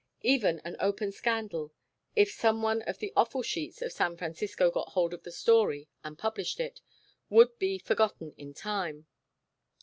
Even an open scandal, if some one of the offal sheets of San Francisco got hold of the story and published it, would be forgotten in time.